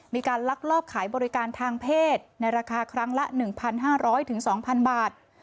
ลักลอบขายบริการทางเพศในราคาครั้งละ๑๕๐๐๒๐๐บาท